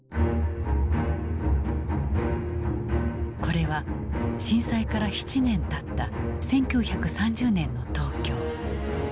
これは震災から７年たった１９３０年の東京。